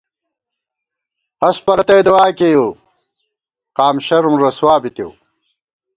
ہست پرَتئی دووا کېیؤ ، قام شرَم رسوا بِتېؤ